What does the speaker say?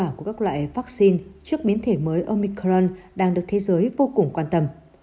hiệu quả của các loại vaccine trước biến thể mới omicron đang được thế giới vô cùng quan tâm